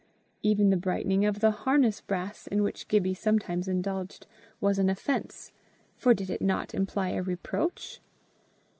Even the brightening of the harness brass, in which Gibbie sometimes indulged, was an offence; for did it not imply a reproach?